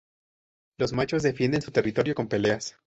Los machos defienden su territorio con peleas.